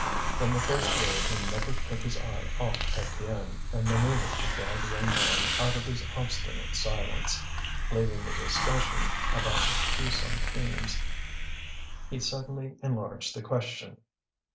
From the first word he never took his eye off Étienne, and manoeuvred to draw the young man out of his obstinate silence. Leaving the discussion about the two centimes, he suddenly enlarged the question.